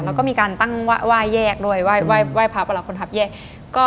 แล้วก็มีการตั้งไหว้แยกด้วยไหว้พระคนขับแยก